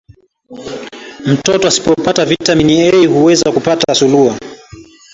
mtoto asipopata vita mini A lishe huweza kupata surua